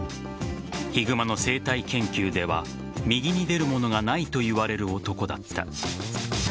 ヒグマの生態研究では右に出る者がないと言われる男だった。